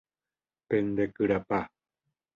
Pendekyrapa.